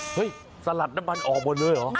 เฮ้ยสลัดน้ำมันออกบนเลยหรือ